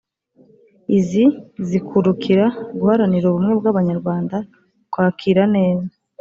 izi zikurukira: guharanira ubumwe bw'abanyarwanda, kwakira neza